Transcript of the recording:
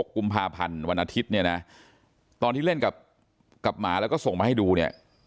กุมภาพันธ์วันอาทิตย์เนี่ยนะตอนที่เล่นกับหมาแล้วก็ส่งมาให้ดูเนี่ย